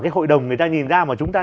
cái hội đồng người ta nhìn ra mà chúng ta